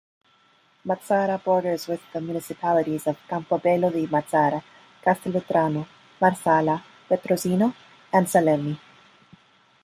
Mazara borders with the municipalities of Campobello di Mazara, Castelvetrano, Marsala, Petrosino and Salemi.